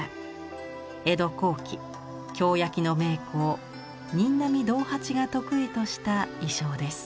江戸後期京焼の名工仁阿弥道八が得意とした意匠です。